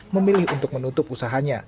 memilih untuk menutup usahanya